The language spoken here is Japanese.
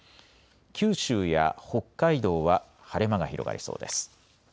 九州や北海道は晴れ間が広がりそうです。